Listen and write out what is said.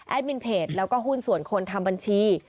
มินเพจแล้วก็หุ้นส่วนคนทำบัญชี